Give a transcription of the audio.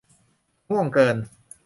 ง่วงเกิน